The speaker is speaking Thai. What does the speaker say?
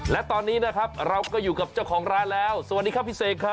และตอนนี้นะครับเราก็อยู่กับเจ้าของร้านแล้วสวัสดีครับพี่เสกครับ